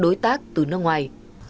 đối tác từ nước ngoài